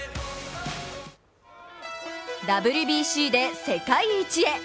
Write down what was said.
ＷＢＣで世界一へ。